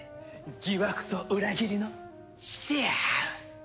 疑惑と裏切りのシェアハウス！